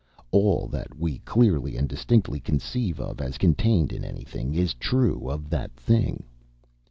"All that we clearly and distinctly conceive as contained in anything is true of that thing."